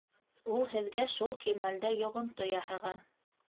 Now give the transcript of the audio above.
Ул һеҙгә шул кимәлдә йоғонто яһаған...